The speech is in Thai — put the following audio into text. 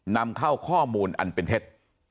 นำเข้าข้อมูลอันเป็นเท็จ